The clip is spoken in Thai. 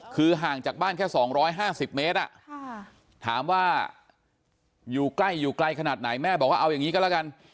คือห่างจากบ้านแค่๒๕๐เมตรถามว่าอยู่ใกล้อยู่ไกลขนาดไหนแม่บอกว่าเอาอย่างนี้ก็แล้วกัน